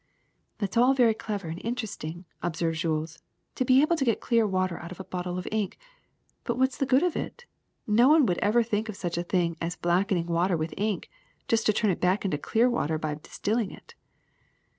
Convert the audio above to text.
'' ^^That 's all very clever and very interesting," ob served Jules, ^^to be able to get clear water out of a bottle of ink; but what 's the good of it? No one would ever think of such a thing as blackening water with ink just to turn it back into clear water by dis tilling it.